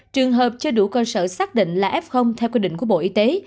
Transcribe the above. trường hợp chưa đủ cơ sở xác định là f theo quy định của bộ y tế